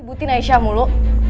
ibutin aisyah mulu